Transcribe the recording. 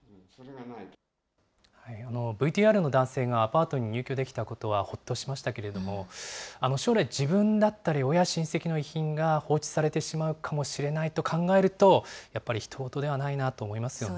ＶＴＲの男性がアパートに入居できたことはほっとしましたけれども、将来、自分だったり親、親戚の遺品が放置されてしまうかもしれないと考えると、やっぱりひと事ではないなと思いますね。